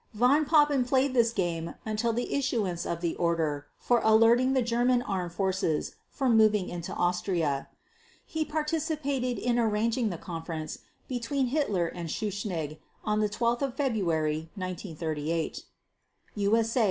Von Papen played this game until the issuance of the order for alerting the German Armed Forces for moving into Austria. He participated in arranging the conference between Hitler and Schuschnigg of 12 February 1938 (USA 69).